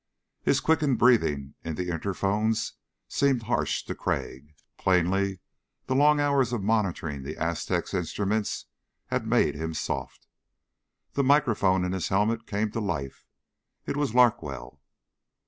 His quickened breathing in the interphones sounded harsh to Crag. Plainly the long hours of monitoring the Aztec's instruments had made him soft. The microphone in his helmet came to life. It was Larkwell.